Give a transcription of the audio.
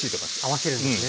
合わせるんですね。